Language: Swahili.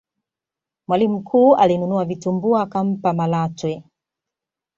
mwalimu mkuu alinunua vitumbua akampa malatwe